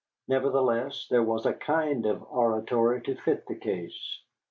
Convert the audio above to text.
Nevertheless there was a kind of oratory to fit the case.